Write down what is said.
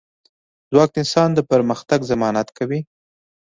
ځواک د انسان د پرمختګ ضمانت کوي.